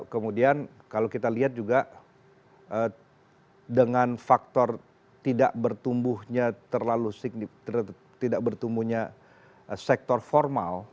kemudian kalau kita lihat juga dengan faktor tidak bertumbuhnya terlalu signifikan tidak bertumbuhnya sektor formal